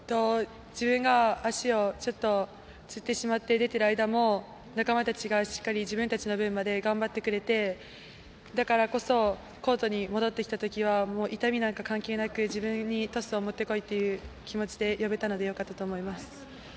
自分が足をつってしまって出ている間も仲間たちがしっかり自分たちの分まで頑張ってくれてだからこそコートに戻ってきたときは痛みなんか関係なく自分にトスを持ってこいという気持ちで呼べたのでよかったと思います。